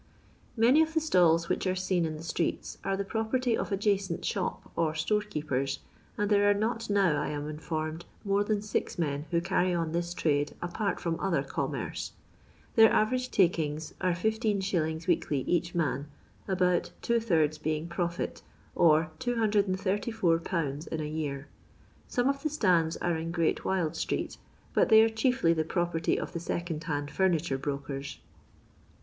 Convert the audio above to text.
Many of the stalls which are seen in the streets are the property of adjacent shop or store keepers, and there are not now, I am informed, more than six men who carry on this trade apart from other commerce. Their average takings are \tt, weekly each man, about two thirds being profit, or 234/. in a year. Some of tlie stands are in Great Wyld street, but they are chiefly the property of the second hand furniture brokers.